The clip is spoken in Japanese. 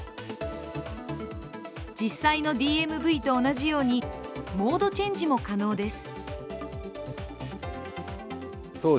実際のＤＭＶと同じようにモードチェンジも可能です。